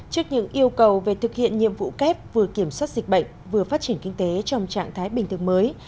trước những yêu cầu về thực hiện nhiệm vụ kép vừa kiểm soát dịch bệnh vừa phát triển kinh tế trong trạng thái bình thường mới